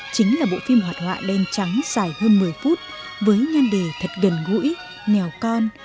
chính là bộ phim hoạt họa đen trắng dài hơn một mươi phút với nhan đề thật gần gũi nghèo con